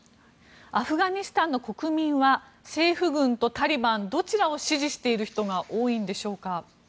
アフガニスタンの国民は政府軍とタリバンどちらを支持している人が多いんでしょうか。